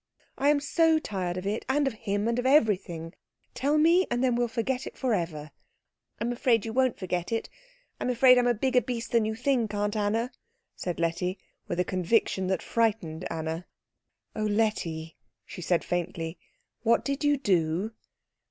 I am so tired of it, and of him, and of everything. Tell me, and then we'll forget it for ever." "I'm afraid you won't forget it. I'm afraid I'm a bigger beast than you think, Aunt Anna," said Letty, with a conviction that frightened Anna. "Oh, Letty," she said faintly, "what did you do?"